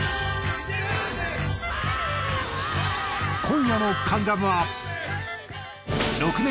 今夜の『関ジャム』は。